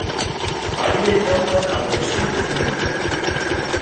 آئیءَ اے گپ پہ نہ وشی ءَگوٛشت اَنت